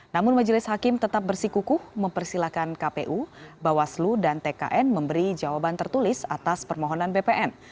namun majelis hakim tetap bersikukuh mempersilahkan kpu bawaslu dan tkn memberi jawaban tertulis atas permohonan bpn